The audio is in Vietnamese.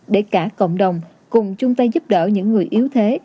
để cả cộng đồng cùng chung tay giúp đỡ những người yếu thế